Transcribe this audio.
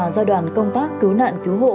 do đoàn công tác cứu nạn cứu hộ